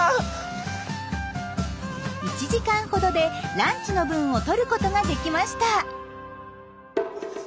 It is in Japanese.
１時間ほどでランチの分を取ることができました。